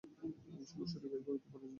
সমস্যাটা বেশ গুরুতরই বলা চলে।